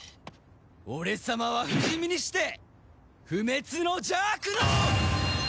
俺様は不死身にして不滅の邪悪の王！